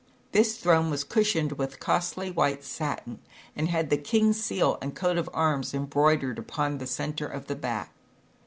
This throne was cushioned with costly white satin and had the king's seal and coat of arms embroidered upon the center of the back.